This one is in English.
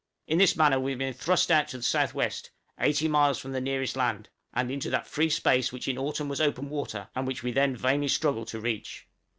In this manner we have been thrust out to the S.W. 80 miles from the nearest land, and into that free space which in autumn was open water, and which we then vainly struggled to reach.